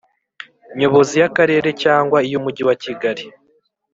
Nyobozi y Akarere cyangwa iy Umujyi wa kigali